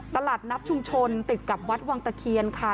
ตลาดนับชุมชนติดกับวัดวังตะเคียนค่ะ